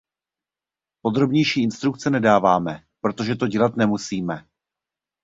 Podrobnější instrukce nedáváme, protože to dělat nemusíme.